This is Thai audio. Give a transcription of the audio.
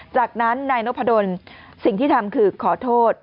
จากนั้นนายนพดลสิ่งที่ทำคือขอโทษ